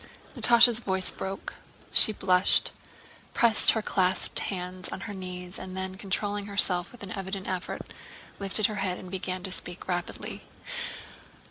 Natásha's voice broke. She blushed, pressed her clasped hands on her knees, and then controlling herself with an evident effort lifted her head and began to speak rapidly.